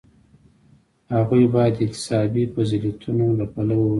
هغوی باید د اکتسابي فضیلتونو له پلوه ورته وي.